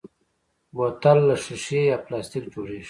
بوتل له شیشې یا پلاستیک جوړېږي.